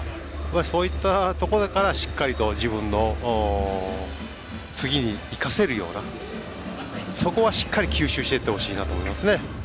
そういったところから自分の次に生かせるような部分そこはしっかり吸収していってほしいなと思いますね。